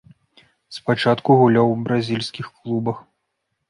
Спачатку гуляў у бразільскіх клубах.